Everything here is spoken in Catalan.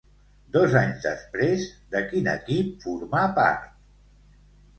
Dos anys després, de quin equip formà part?